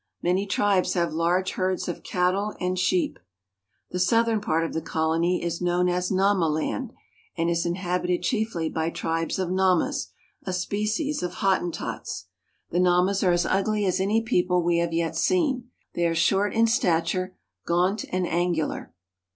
Many tribes have large herds of cattle and sheep. k The southern part of the colony is known as Namaland (na' ma land), and is inhabited chiefly by tribes of Namas, a species of Hottentots. The Namas are as ugly as any people we have yet seen. They are short in stature, gaunt, and angular.